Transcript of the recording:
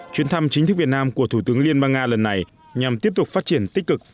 chuyến thăm chính thức việt nam của thủ tướng liên bang nga lần này nhằm tiếp tục phát triển tích cực